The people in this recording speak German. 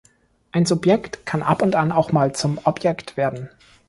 Ein Subjekt kann ab und an auch mal zum Objekt werden.